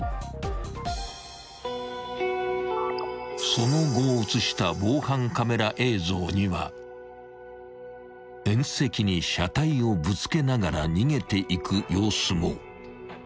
［その後を写した防犯カメラ映像には縁石に車体をぶつけながら逃げていく様子も］